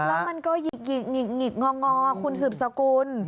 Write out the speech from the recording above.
แล้วมันก็หยิกงอคุณสืบสกุล